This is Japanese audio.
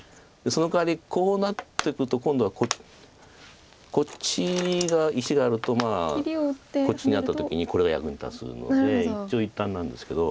そのかわりこうなっていくと今度はこっちが石があるとこっちにあった時にこれが役に立つので一長一短なんですけど。